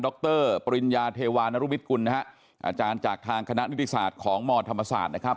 รปริญญาเทวานรุมิตกุลนะฮะอาจารย์จากทางคณะนิติศาสตร์ของมธรรมศาสตร์นะครับ